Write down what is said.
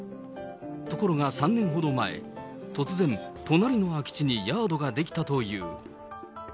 ところが３年ほど前、突然、隣の空き地にヤードが出来たという。